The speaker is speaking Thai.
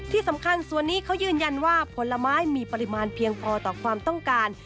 ที่สำคัญส่วนนี้เขายืนยันว่าผลไม้มีปริมาณเพียงพอต่อความต้องการ